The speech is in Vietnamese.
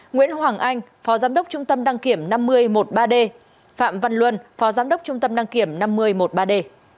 nguyễn hoàng anh phó giám đốc trung tâm đăng kiểm năm nghìn một mươi ba d phạm văn luân phó giám đốc trung tâm đăng kiểm năm mươi một d